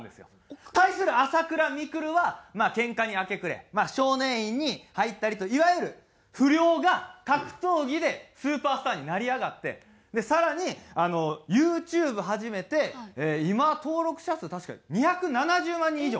億？対する朝倉未来はまあけんかに明け暮れ少年院に入ったりといわゆる不良が格闘技でスーパースターに成り上がって更にＹｏｕＴｕｂｅ始めて今登録者数確か２７０万人以上。